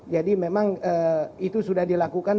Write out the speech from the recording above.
jadi memang itu sudah dilakukan